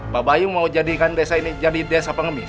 bapak ayung mau jadikan desa ini jadi desa pengemis